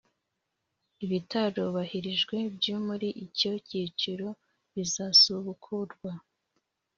ibitarubahirijwe byo muri icyo cyiciro bizasubukurwa